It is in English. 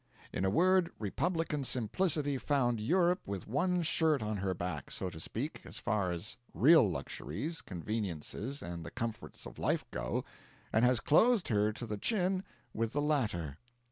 In a word, Republican Simplicity found Europe with one shirt on her back, so to speak, as far as real luxuries, conveniences, and the comforts of life go, and has clothed her to the chin with the latter.